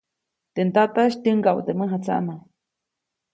Teʼ ndataʼis tyäŋgaʼu teʼ mäjatsaʼmaʼ.